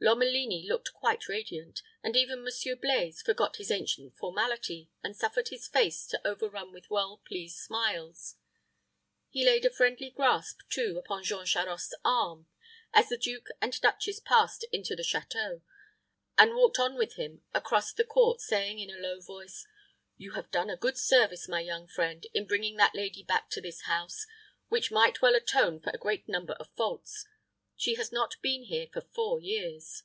Lomelini looked quite radiant, and even Monsieur Blaize forgot his ancient formality, and suffered his face to overrun with well pleased smiles. He laid a friendly grasp, too, upon Jean Charost's arm, as the duke and duchess passed into the château, and walked on with him across the court, saying, in a low voice, "You have done a good service, my young friend, in bringing that lady back to this house, which might well atone for a great number of faults. She has not been here for four years."